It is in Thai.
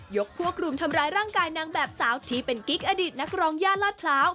พวกรุมทำร้ายร่างกายนางแบบสาวที่เป็นกิ๊กอดีตนักร้องย่านลาดพร้าว